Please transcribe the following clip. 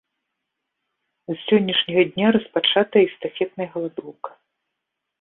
З сённяшняга дня распачатая эстафетная галадоўка.